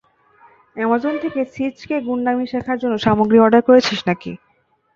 Amazon থেকে ছিচকে গুণ্ডামি শেখার কোনো সামগ্রী অর্ডার করেছিস নাকি?